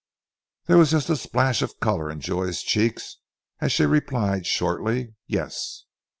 There was just a splash of colour in Joy's cheeks as she replied shortly, "Yes!"